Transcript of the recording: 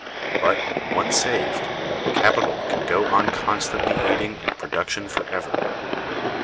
But, once saved, capital can go on constantly aiding in production forever.